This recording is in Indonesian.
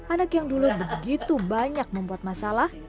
anak yang dulu begitu banyak membuat masalah